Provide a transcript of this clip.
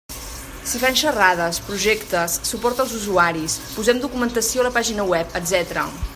S'hi fan xerrades, projectes, suport als usuaris, posem documentació a la pàgina Web, etc.